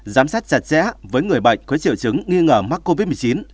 giám sát chặt chẽ với người bệnh có triệu chứng nghi ngờ mắc covid một mươi chín